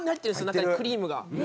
中にクリームが。